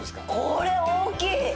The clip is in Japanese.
これ大きい！